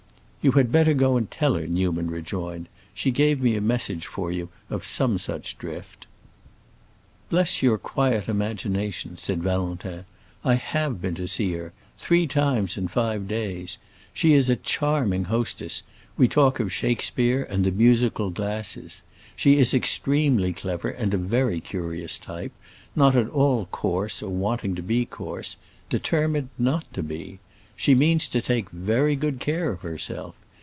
"You had better go and tell her," Newman rejoined. "She gave me a message for you of some such drift." "Bless your quiet imagination," said Valentin, "I have been to see her—three times in five days. She is a charming hostess; we talk of Shakespeare and the musical glasses. She is extremely clever and a very curious type; not at all coarse or wanting to be coarse; determined not to be. She means to take very good care of herself.